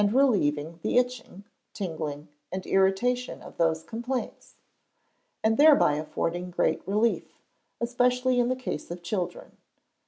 relieving the itching, tingling, and irritation of those complaints, and thereby affording great relief, especially in the case of children.